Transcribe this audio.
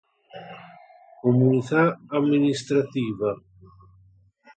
Comunità amministrativa